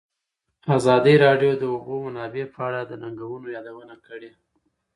ازادي راډیو د د اوبو منابع په اړه د ننګونو یادونه کړې.